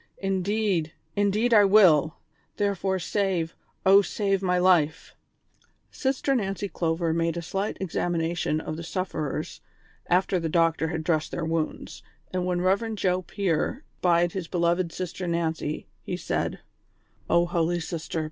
Indeed, indeed I will ; therefore save, O save my life I " Sister ilSTancy Clover made a slight examination of the sufferers after the doctor had dressed their wounds — and when Rev. Joe Pier spied his beloved Sister Xancy, he said :" O holy sister